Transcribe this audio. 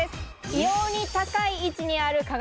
異様に高い位置にある鏡。